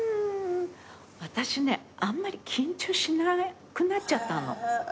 私ねあんまり緊張しなくなっちゃったの。